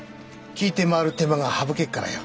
聞いて回る手間が省けるからよ。